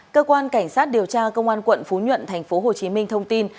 cơ quan cảnh sát điều tra công an quận phú nhuận tp hcm thông tin